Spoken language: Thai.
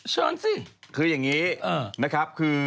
เชิญสิคืออย่างนี้นะครับ